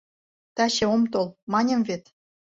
Таче ом тол, маньым вет...